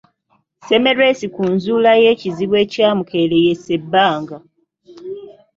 Semmelwesi ku nzuula y’ekizibu ekyamukeeyeresa ebbanga.